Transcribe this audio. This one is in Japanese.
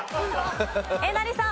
えなりさん。